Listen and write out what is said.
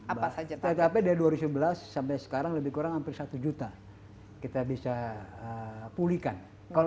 apa saja tetapi dari dua ribu sebelas sampai sekarang lebih kurang hampir satu juta kita bisa pulihkan kalau